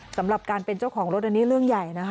สำหรับการเป็นเจ้าของรถอันนี้เรื่องใหญ่นะคะ